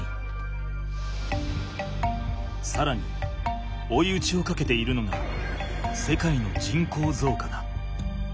さらに追い打ちをかけているのが世界の人口増加だ。